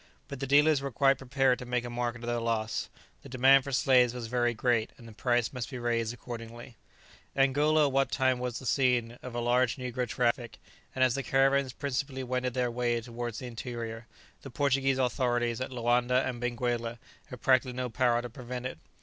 But the dealers were quite prepared to make a market of their loss; the demand for slaves was very great, and the price must be raised accordingly. Angola at that time was the scene of a large negro traffic, and as the caravans principally wended their way towards the interior, the Portuguese authorities at Loanda and Benguela had practically no power to prevent it.